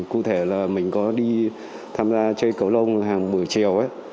cụ thể là mình có đi tham gia chơi cầu lông hàng buổi chiều ấy